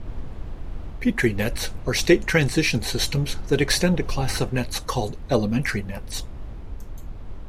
Petri nets are state-transition systems that extend a class of nets called elementary nets.